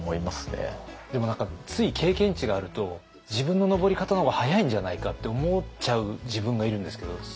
でも何かつい経験値があると自分の登り方の方が早いんじゃないかって思っちゃう自分がいるんですけど。